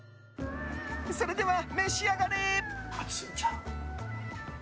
それでは召し上がれ！